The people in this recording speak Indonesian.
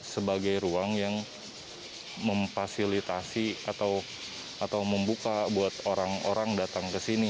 sebagai ruang yang memfasilitasi atau membuka buat orang orang datang ke sini